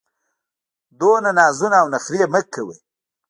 دومره نازونه او نخرې مه کوه!